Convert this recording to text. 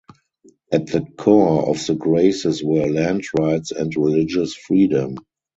At the core of the Graces were land rights and religious freedom.